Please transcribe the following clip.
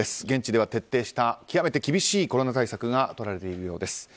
現地では徹底した極めて厳しいコロナ対策がとられているようです。